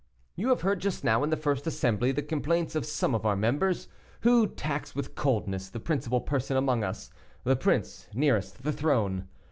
You have heard just now, in the first assembly, the complaints of some of our members, who tax with coldness the principal person among us, the prince nearest to the throne.